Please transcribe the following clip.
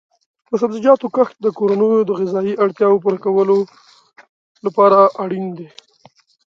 د سبزیجاتو کښت د کورنیو د غذایي اړتیاو پوره کولو لپاره اړین دی.